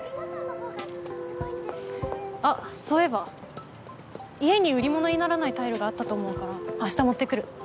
あっそういえば家に売り物にならないタイルがあったと思うから明日持ってくる。